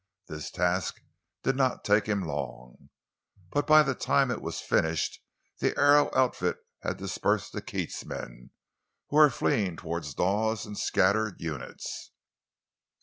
This task did not take him long, but by the time it was finished the Arrow outfit had dispersed the Keats men, who were fleeing toward Dawes in scattered units.